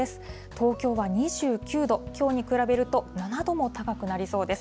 東京は２９度、きょうに比べると７度も高くなりそうです。